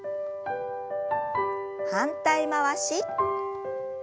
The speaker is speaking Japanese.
反対回し。